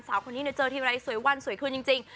สาวคนนี้เนี่ยเจอทีไว้สวยวันสวยคุณจริง